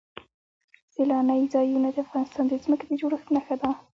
سیلانی ځایونه د افغانستان د ځمکې د جوړښت نښه ده.